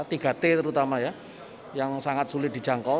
tiga t terutama ya yang sangat sulit dijangkau